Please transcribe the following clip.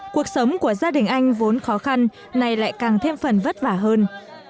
cuộc sống của gia đình anh vốn khó khăn nay lại càng thêm phần vất vả hơn